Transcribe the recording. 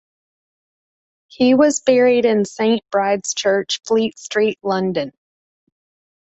He was buried in Saint Bride's Church, Fleet Street, London.